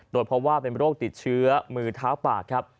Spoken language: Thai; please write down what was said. โดยพบว่าเป็นโรคติดเชื้อมือเท้าปากครับ